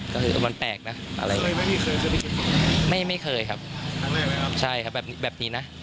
ก็คือมันแปลกนะอะไรไม่เคยครับใช่ครับแบบนี้นะ